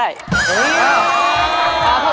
หมายเลข๓ครับ